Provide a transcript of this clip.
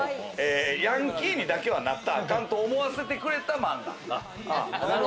ヤンキーにだけは、なったらあかんと思わせてくれたマンガ。